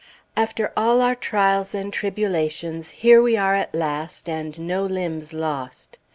After all our trials and tribulations, here we are at last, and no limbs lost!